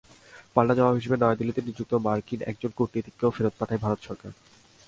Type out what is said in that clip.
পাল্টা জবাব হিসেবে নয়াদিল্লিতে নিযুক্ত মার্কিন একজন কূটনীতিককেও ফেরত পাঠায় ভারত সরকার।